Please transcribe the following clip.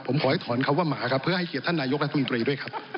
ผมขอให้ถอนคำว่าหมาครับเพื่อให้เกียรติท่านนายกรัฐมนตรีด้วยครับ